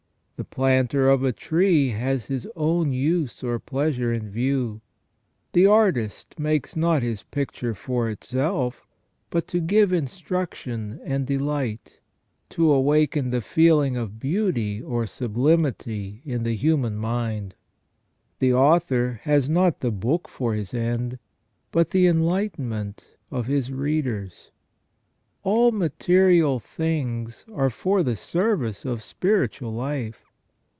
The planter of a tree has his own use or pleasure in view. The artist makes not his picture for itself, but to give instruction and delight, to awaken the feeling of beauty or sublimity in the human mind. The author has not the book for his end, but the enlightenment of his readers. All material things are for the service of spiritual life.